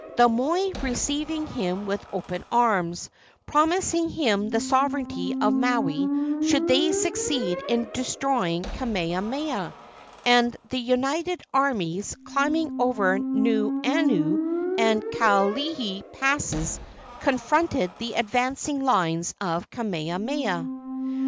The moi received him with open arms, promising him the sovereignty of Maui should they succeed in destroying Kamehameha; and the united armies, climbing over the Nuuanu and Kalihi passes, confronted the advancing lines of Kamehameha.